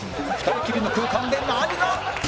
２人きりの空間で何が！？